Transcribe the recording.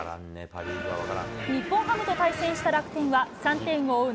日本ハムと対戦した楽天は３点を追う